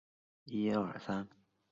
多用于单镜反光相机。